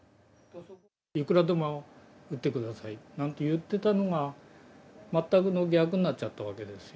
いくらでも打ってくださいなんて言ってたのが、まったくの逆になっちゃったわけですよ。